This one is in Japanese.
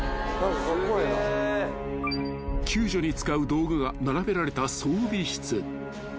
［救助に使う道具が並べられた］